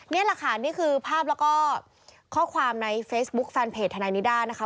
นี่แหละค่ะนี่คือภาพแล้วก็ข้อความในเฟซบุ๊คแฟนเพจทนายนิด้านะคะ